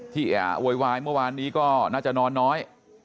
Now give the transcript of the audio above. โวยวายเมื่อวานนี้ก็น่าจะนอนน้อย